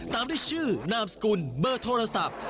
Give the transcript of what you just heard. ตามด้วยชื่อนามสกุลเบอร์โทรศัพท์